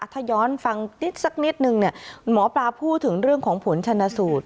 ถ้าย้อนฟังนิดสักนิดนึงเนี่ยหมอปลาพูดถึงเรื่องของผลชนะสูตร